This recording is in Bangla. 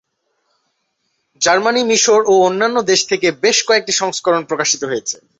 জার্মানি, মিশর ও অন্যান্য দেশ থেকে বেশ কয়েকটি সংস্করণ প্রকাশিত হয়েছে।